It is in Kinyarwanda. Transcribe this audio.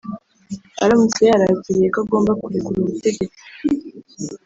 Aramutse yarakiriye ko agomba kurekura ubutegetsi